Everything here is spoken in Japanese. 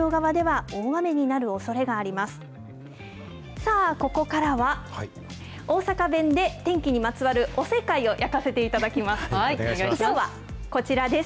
さあ、ここからは大阪弁で天気にまつわるおせっかいをやかせていただきます。